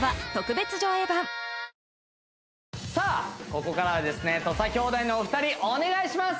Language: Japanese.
ここからは土佐兄弟のお二人お願いします！